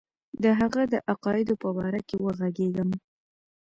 د هغه د عقایدو په باره کې وږغېږم.